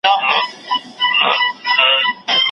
د رحمن بابا د شعر کمال